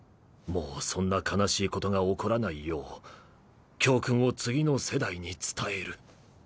もうそんな悲しいことが起こらないよう教訓を次の世代に伝える。